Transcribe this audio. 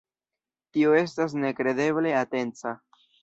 Tio estas nekredeble atenca.